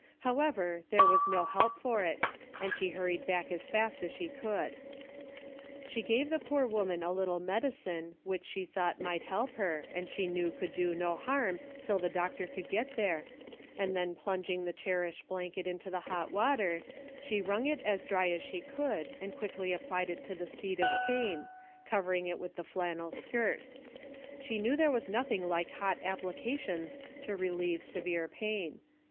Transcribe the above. However, there was no help for it, and she hurried back as fast as she could. She gave the poor woman a little medicine which she thought might help her, and she knew could do no harm till the A DAILY RATE:^ 31 doctor could get there, and then plunging the cherished blanket into the hot water, she wrung it as dry as she could and quickly ap plied it to the seat of pain, covering .it with the flannel skirt. She knew there was noth ing like hot applications to relieve severe pain.